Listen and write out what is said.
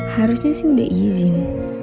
harusnya sih udah izin